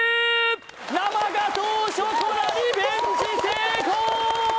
生ガトーショコラリベンジ成功！